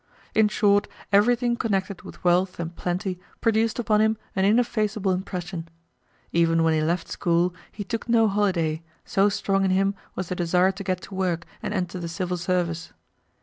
In short, everything connected with wealth and plenty produced upon him an ineffaceable impression. Even when he left school he took no holiday, so strong in him was the desire to get to work and enter the Civil Service.